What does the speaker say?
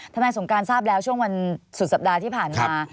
นายสงการทราบแล้วช่วงวันสุดสัปดาห์ที่ผ่านมา